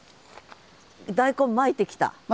大根まいてきた？